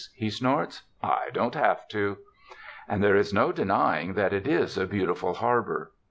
he snorts. "I don't have to!" And there is no denying that it is a beautiful har bor.